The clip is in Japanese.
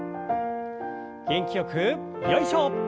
元気よくよいしょ。